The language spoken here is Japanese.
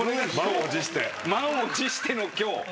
満を持しての今日。